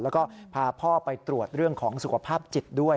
แล้วก็พาพ่อไปตรวจเรื่องของสุขภาพจิตด้วย